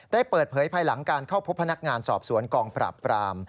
ได้เปิดเผยภายหลังการเข้าพบพนักงานสอบสวนกองปราบปราม